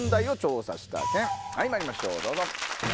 まいりましょうどうぞ。